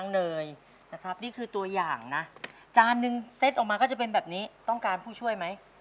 เนยนะครับนี่คือตัวอย่างนะจานนึงเซ็ตออกมาก็จะเป็นแบบนี้ต้องการผู้ช่วยไหม